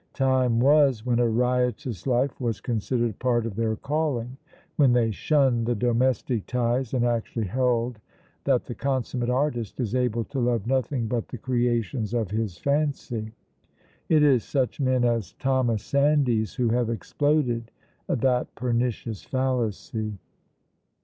Time was when a riotous life was considered part of their calling when they shunned the domestic ties and actually held that the consummate artist is able to love nothing but the creations of his fancy. It is such men as Thomas Sandys who have exploded that pernicious fallacy....